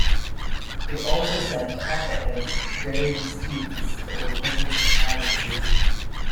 It also sent op-eds to various students that were published as-is.